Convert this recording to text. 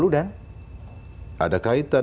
dan ada kaitan